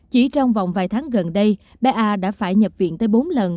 chỉ trong vòng vài tháng gần đây bé a đã phải nhập viện tới bốn lần